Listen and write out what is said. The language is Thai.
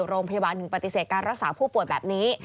โรงพยาบาลหนึ่งปฏิเสธการรักษาผู้ป่วยแบบนี้